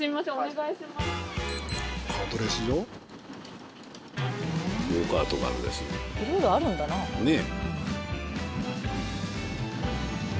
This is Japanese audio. いろいろあるんだな。ねぇ。